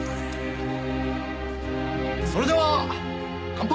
それでは乾杯！